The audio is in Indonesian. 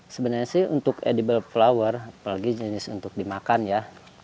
sebenarnya sih untuk edible flower apalagi jenis untuk dimakan ya